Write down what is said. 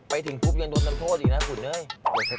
ไม่รู้ว่าถึงไปยัง